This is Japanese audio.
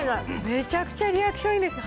めちゃくちゃリアクションいいですね。